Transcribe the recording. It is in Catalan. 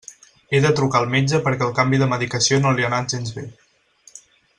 He de trucar al metge perquè el canvi de medicació no li ha anat gens bé.